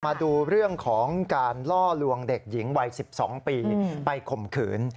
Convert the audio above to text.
มาดูเรื่องของการล่อลวงเด็กหญิงวัย๑๒ปีไปข่มขืน